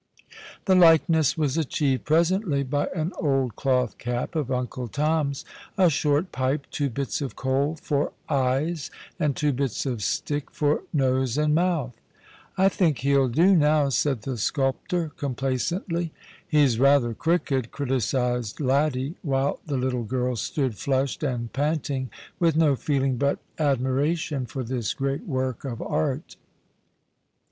The likeness was achieved presently by an old cloth cap of Uncle Tom's, a short pij)e, two bits of coal for eyes, and two bits of stick for nose and mouth. " I think he'll do now," said the sculjjtor, complacently. " He's rather crooked," criticized Laddie, while the little girls stood, flushed and panting, with no feeling but admiration for this great work of art.